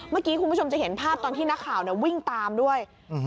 เมื่อกี้คุณผู้ชมจะเห็นภาพตอนที่นักข่าวเนี่ยวิ่งตามด้วย